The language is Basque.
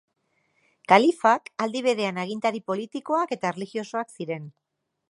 Kalifak aldi berean agintari politikoak eta erlijiosoak ziren.